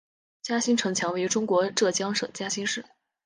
嘉兴城墙位于中国浙江省嘉兴市。